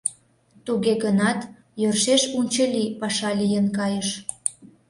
Туге гынат йӧршеш унчыли паша лийын кайыш.